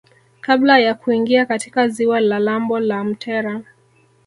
kabla ya kuingia katika ziwa la lambo la Mtera